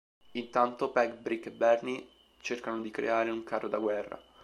Intanto Peg, Brick, e Bernie cercano di creare un carro da guerra.